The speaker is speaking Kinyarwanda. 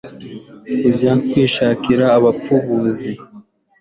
kujya kwishakira abapfubuzi